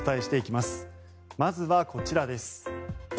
まずはこちらです。